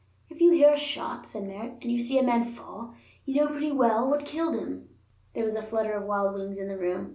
"If you hear a shot," said Merritt, "and you see a man fall, you know pretty well what killed him." There was a flutter of wild wings in the room.